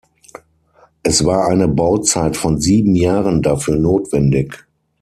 Es war eine Bauzeit von sieben Jahren dafür notwendig.